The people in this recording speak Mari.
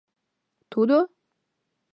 Тудо?